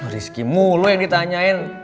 rizky mulu yang ditanyain